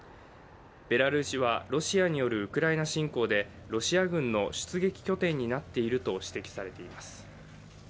ベラルーシは、ロシアによるウクライナ侵攻でロシア軍の出撃拠点になっていると指摘されています。